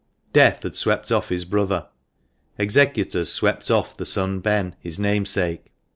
Death had swept off his brother ; executors swept off the son Ben, his namesake.